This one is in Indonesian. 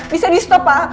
bisa di stop pak